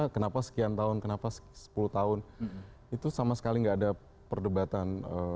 kenapa sekian tahun kenapa sepuluh tahun itu sama sekali nggak ada perdebatan